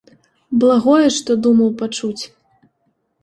Благое што думаў пачуць.